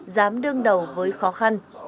giám đương đầu với khó khăn